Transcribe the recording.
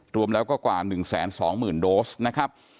รวมแล้วก็กว่า๑๒๐๐๐โดสนะครับ